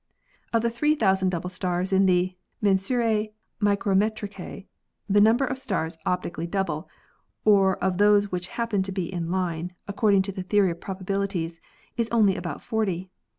Of the three thousand double stars in the "Mensurse Micrometricse," the number of stars optically double, or of those which happen to be in line, according to the theory of probabilities, is only about forty.